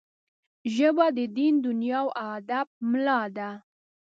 ژبه د دین، دنیا او ادب ملا ده